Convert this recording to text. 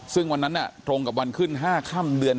ซึ่งวันนั้นตรงกับวันขึ้น๕ค่ำเดือน